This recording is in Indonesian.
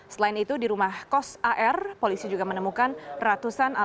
selain itu di rumah kos ar polisi juga menemukan ratusan alat